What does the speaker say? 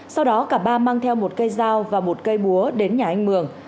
sau đó cả ba mang theo một cây dao và một cây búa đến nhà anh mường